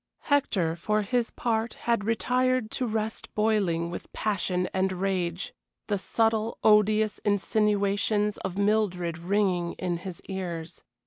Hector for his part, had retired to rest boiling with passion and rage, the subtle, odious insinuations of Mildred ringing in his ears.